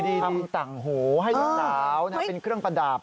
ทำต่างหูให้ลูกสาวเป็นเครื่องประดับ